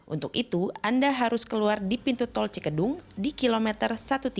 untuk itu anda harus keluar di pintu tol cikedung di kilometer satu ratus tiga puluh